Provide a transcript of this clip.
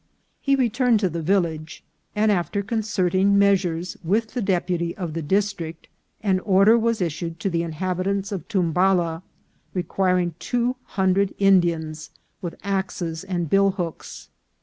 He returned to the village, and after concerting measures with the deputy of the district, an order was issued to the inhabitants of Tumbala, requiring two hundred Indians with axes and billhooks.